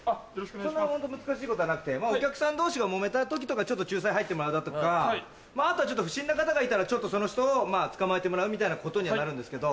そんな難しいことはなくてお客さん同士がもめた時とかちょっと仲裁入ってもらうだとかあとは不審な方がいたらその人を捕まえてもらうみたいなことにはなるんですけど。